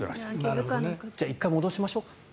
じゃあ１回戻しましょうか。